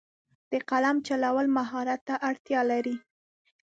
د قلم چلول مهارت ته اړتیا لري.